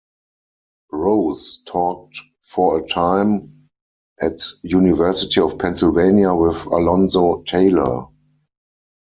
Rose taught for a time at University of Pennsylvania with Alonzo Taylor.